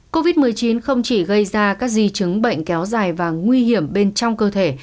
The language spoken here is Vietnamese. covid một mươi chín không chỉ gây ra các di chứng bệnh kéo dài và nguy hiểm bên trong cơ thể